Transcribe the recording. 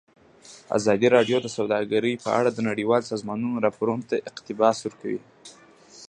ازادي راډیو د سوداګري په اړه د نړیوالو سازمانونو راپورونه اقتباس کړي.